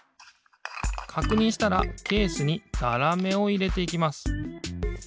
かくにんしたらケースにざらめをいれていきます。